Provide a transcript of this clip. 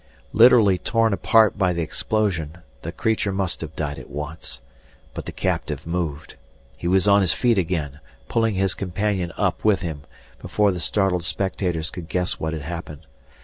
Literally torn apart by the explosion, the creature must have died at once. But the captive moved. He was on his feet again, pulling his companion up with him, before the startled spectators could guess what had happened.